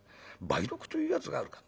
梅毒というやつがあるか。